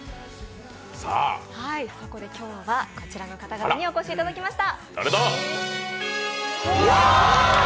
そこで今日は、こちらの方々にお越しいただきました。